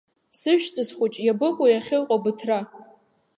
Сыжәҵыс хәыҷ, иабыкәу иахьыҟоу быҭра?!